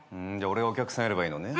俺がお客さんやればいいのね。